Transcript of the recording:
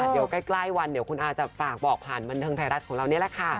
เดี๋ยวใกล้วันเดี๋ยวคุณอาจะฝากบอกผ่านบันเทิงไทยรัฐของเรานี่แหละค่ะ